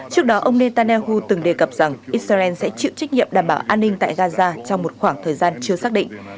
trước đó ông netanyahu từng đề cập rằng israel sẽ chịu trách nhiệm đảm bảo an ninh tại gaza trong một khoảng thời gian chưa xác định